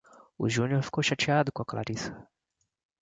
O Júnior ficou chateado com a Clarissa.